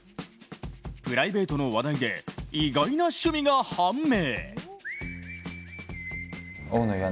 プライベートの話題で意外な趣味が判明。